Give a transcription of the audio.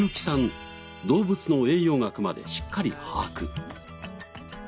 動物の栄養学までしっかり把握。